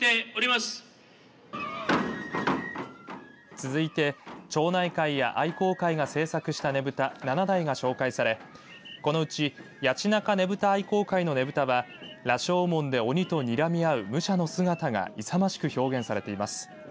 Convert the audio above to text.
続いて、町内会や愛好会が制作したねぶた７台が紹介されこのうち萢中ねぶた愛好会のねぶたは羅生門で鬼とにらみ合う武者の姿が勇ましく表現されています。